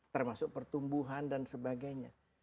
termasuk pertumbuhan dan sebagainya